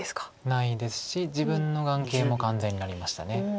ないですし自分の眼形も完全になりました。